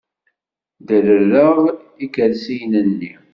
Derrereɣ ikersiyen-nni.